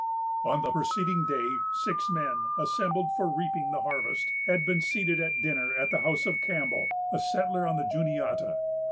On the preceding day, six men, assembled for reaping the harvest, had been seated at dinner at the house of Campbell, a settler on the Juniata.